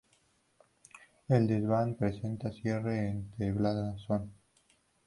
El desván presenta cierre en tablazón.